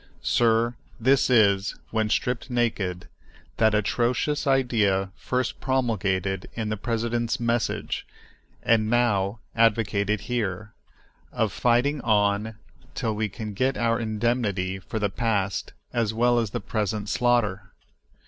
Sir, this is, when stripped naked, that atrocious idea first promulgated in the president's message, and now advocated here, of fighting on till we can get our indemnity for the past as well as the present slaughter.